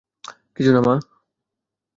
কিছু না, মা।